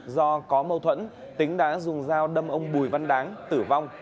do có mâu thuẫn tính đã dùng dao đâm ông bùi văn đáng tử vong